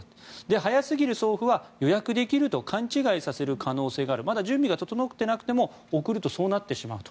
早すぎる送付は予約できると勘違いさせる可能性があるまだ準備が整っていなくても送るとそうなってしまうと。